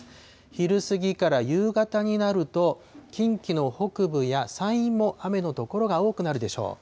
昼過ぎから夕方になると、近畿の北部や山陰も雨の所が多くなるでしょう。